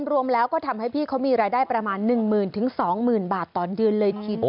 รวมแล้วก็ทำให้พี่เขามีรายได้ประมาณ๑หมื่นถึง๒หมื่นบาทตอนเดือนเลยพี่